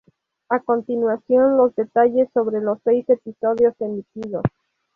A continuación, los detalles sobre los seis episodios emitidos.